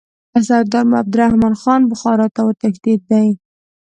سردار عبدالرحمن خان بخارا ته وتښتېدی.